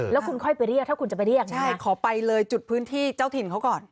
แล้วคุณค่อยไปเรียกถ้าคุณจะไปเรียกขอไปเลยจุดพื้นที่เจ้าถิ่นเขาก่อน